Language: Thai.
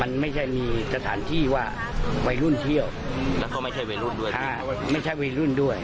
มันไม่ใช่มีสถานที่ว่าวัยรุ่นเที่ยวแล้วก็ไม่ใช่วัยรุ่นด้วย